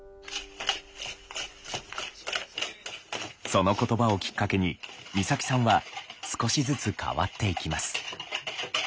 その言葉をきっかけに光沙季さんは少しずつ変わっていきます。